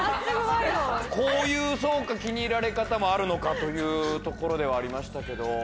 こういうそうか気に入られ方もあるのかというところではありましたけど。